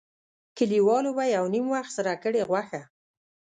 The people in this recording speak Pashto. کلیوالو به یو نیم وخت سره کړې غوښه.